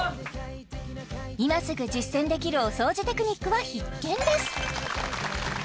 今すぐ実践できるお掃除テクニックは必見です